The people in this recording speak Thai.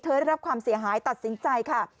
ได้รับความเสียหายตัดสินใจค่ะ